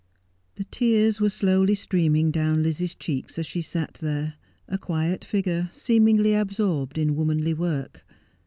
The tears were slowly streaming down Lizzie's cheeks as she sat there, a quiet figure, seemingly absorbed in womanly work.